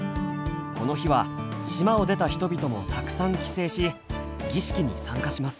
この日は島を出た人々もたくさん帰省し儀式に参加します。